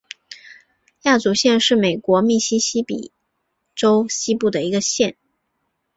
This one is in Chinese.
亚祖县是美国密西西比州西部的一个县。